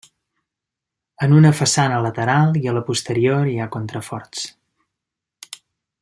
En una façana lateral i a la posterior hi ha contraforts.